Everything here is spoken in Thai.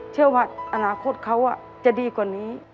เชื่อว่าอนาคตเขาจะดีกว่านี้